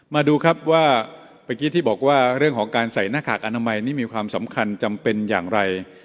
มาดูครับว่าเมื่อกี้ที่บอกว่าเรื่องของการใส่หน้ากากอนามัยนี่มีความสำคัญจำเป็นอย่างไร